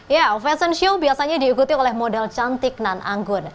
ya fashion show biasanya diikuti oleh model cantik nan anggun